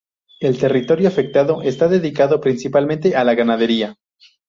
El territorio afectado está dedicado principalmente a la ganadería.